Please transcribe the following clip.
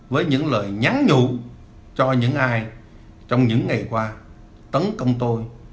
với những lời nhắn nhụ cho những ai trong những ngày qua tấn công tôi